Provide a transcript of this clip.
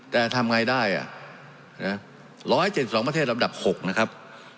แต่ทำไงได้๑๗๒ประเทศลำดับ๖นะครับ